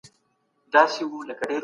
خصوصي سکتور په تېرو کلونو کي وده وکړه.